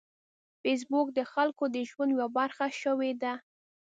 فېسبوک د خلکو د ژوند یوه برخه شوې ده